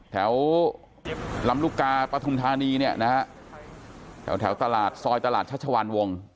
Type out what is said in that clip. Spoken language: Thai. แถวลำลูกกาปฐุมธานีเนี่ยนะฮะแถวตลาดซอยตลาดชัชวานวง